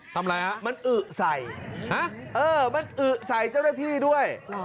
ทำอะไรฮะมันอึใส่มันอึใส่เจ้าหน้าที่ด้วย